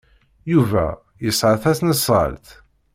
Yuba yesɛa tasnasɣalt?